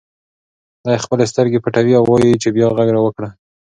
دی خپلې سترګې پټوي او وایي چې بیا غږ راوکړه.